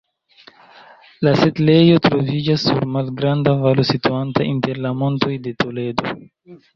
La setlejo troviĝas sur malgranda valo situanta inter la Montoj de Toledo.